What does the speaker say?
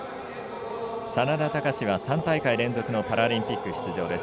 眞田卓は３大会連続のパラリンピック出場です。